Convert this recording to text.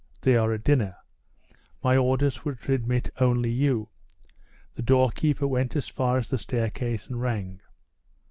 They are at dinner. My orders were to admit only you." The doorkeeper went as far as the staircase and rang.